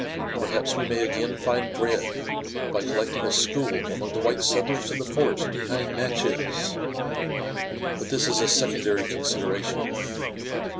Perhaps we may again find bread, by collecting a school among the white settlers in the forest behind Natchez. But this is a secondary consideration.